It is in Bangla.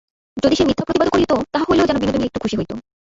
যদি সে মিথ্যা প্রতিবাদও করিত, তাহা হইলেও যেন বিনোদিনী একটু খুশি হইত।